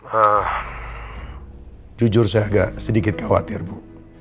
hah jujur saya agak sedikit khawatir bu